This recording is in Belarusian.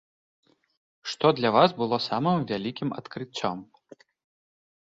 Што для вас было самым вялікім адкрыццём?